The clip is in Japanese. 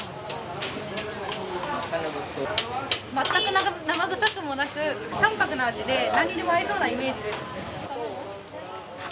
全く生臭くもなく、淡泊な味で、なんにでも合いそうなイメージです。